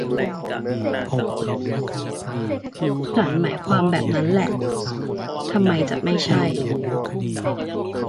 ฉันหมายความแบบนั้นแหละ ทำไมจะไม่ใช่